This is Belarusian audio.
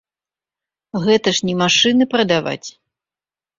Гэта ж не машыны прадаваць!